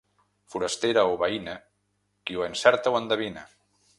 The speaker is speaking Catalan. Forastera o veïna, qui ho encerta ho endevina.